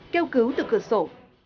kêu cứu từ cửa sổ